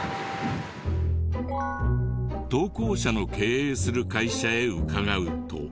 投稿者の経営する会社へ伺うと。